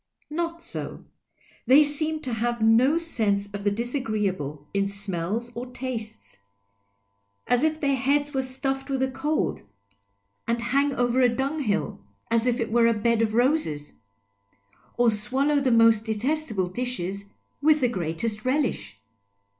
Not so. They seem to have no sense of the disagreeable in smells or tastes, as if their heads were stuffed with a cold, and hang 298 PASTICHE AND PREJUDICE over a dunghill, as if it were a bed of roses, or swallow the most detestable dishes with the greatest relish.